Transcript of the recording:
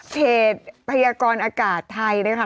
พยากรอากาศไทยนะคะ